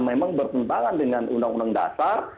memang bertentangan dengan undang undang dasar